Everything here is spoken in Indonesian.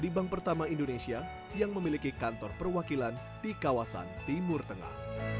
di bank pertama indonesia yang memiliki kantor perwakilan di kawasan timur tengah